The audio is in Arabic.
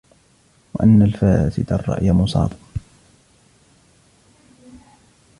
وَأَنَّ الْفَاسِدَ الرَّأْيِ مُصَابٌ